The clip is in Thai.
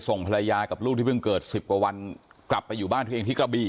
ส่งภรรยากับลูกที่เพิ่งเกิด๑๐กว่าวันกลับไปอยู่บ้านตัวเองที่กระบี่